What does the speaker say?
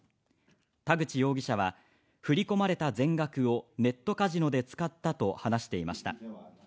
田口容疑者は振り込まれた全額をネットカジノで使ったと話しています。